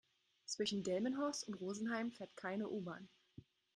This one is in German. Zwischen Delmenhorst und Rosenheim fährt keine U-Bahn